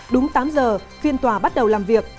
đúng tám giờ phiên tòa bắt đầu làm việc